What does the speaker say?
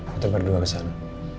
kita berdua kesana